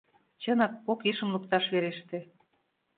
Чынак, кок ешым лукташ вереште.